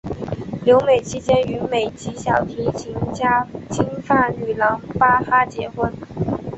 留美期间与美籍小提琴家金发女郎巴哈结婚。